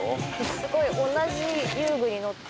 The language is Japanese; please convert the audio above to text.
「すごい！同じ遊具に乗って」